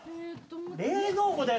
冷蔵庫だよ